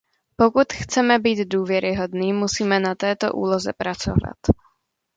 Pokud chceme být důvěryhodní, musíme na této úloze pracovat.